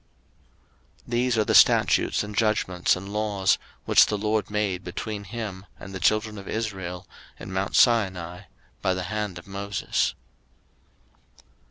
03:026:046 These are the statutes and judgments and laws, which the LORD made between him and the children of Israel in mount Sinai by the hand of Moses.